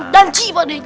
danci pak d